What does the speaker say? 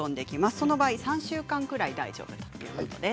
その場合３週間ぐらい大丈夫ということです。